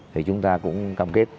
thì chúng ta cũng cam kết